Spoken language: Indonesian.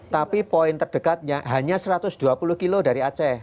tapi poin terdekatnya hanya satu ratus dua puluh kilo dari aceh